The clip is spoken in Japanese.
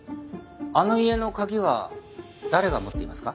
あの家の鍵は誰が持っていますか？